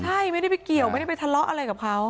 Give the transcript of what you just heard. ใช่ไม่ได้ไปเกี่ยวไม่ได้ไปทะเลาะอะไรกับเขา